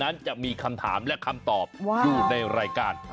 นั้นจะมีคำถามและคำตอบอยู่ในรายการ